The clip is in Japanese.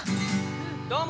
どうも。